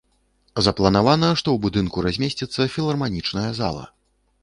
Запланавана, што ў будынку размесціцца філарманічная зала.